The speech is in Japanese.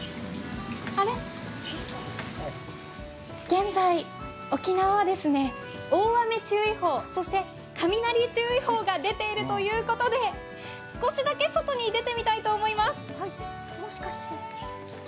現在、沖縄は大雨注意報そして雷注意報が出ているということで少しだけ外に出てみたいと思います。